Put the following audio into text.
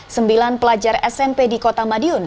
sembilan pelajar smp di kota madiun